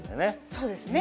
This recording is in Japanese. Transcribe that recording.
そうですね。